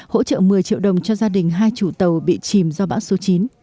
hỗ trợ một mươi triệu đồng cho gia đình hai chủ tàu bị chìm do bão số chín